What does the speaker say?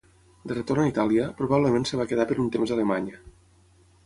De retorn a Itàlia, probablement es va quedar per un temps a Alemanya.